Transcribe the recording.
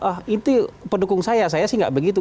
ah itu pendukung saya saya sih nggak begitu